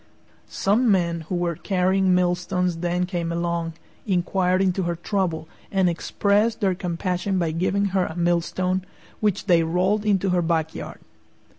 Some men who were carrying millstones then came along, inquired into her trouble, and expressed their compassion by giving her a millstone, which they rolled into her back yard.